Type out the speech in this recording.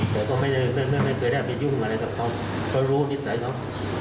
แต่เขาไม่เคยได้กำลังไปยุ่งอะไรหรอกก็รู้นิสัยเขา